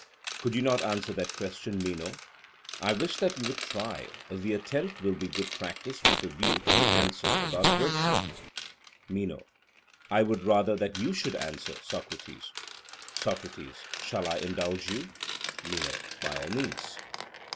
Could you not answer that question, Meno? I wish that you would try; the attempt will be good practice with a view to the answer about virtue. MENO: I would rather that you should answer, Socrates. SOCRATES: Shall I indulge you? MENO: By all means.